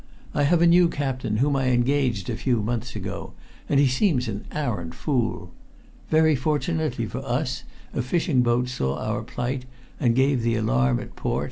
I have a new captain whom I engaged a few months ago, and he seems an arrant fool. Very fortunately for us a fishing boat saw our plight and gave the alarm at port.